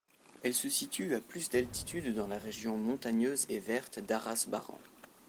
Elle se situe à plus de d'altitude dans la région montagneuse et verte d'Arasbaran.